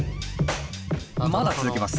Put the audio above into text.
まだ続けます。